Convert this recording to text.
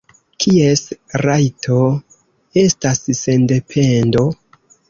Kies rajto estas sendependo?